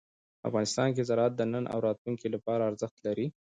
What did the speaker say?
افغانستان کې زراعت د نن او راتلونکي لپاره ارزښت لري.